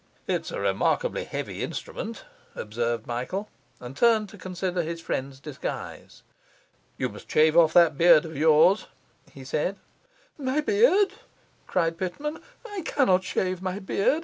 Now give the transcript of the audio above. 'It's a remarkably heavy instrument,' observed Michael, and turned to consider his friend's disguise. 'You must shave off that beard of yours,' he said. 'My beard!' cried Pitman. 'I cannot shave my beard.